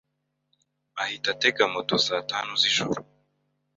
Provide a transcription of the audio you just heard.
ahita atega moto saa tanu z’ijoro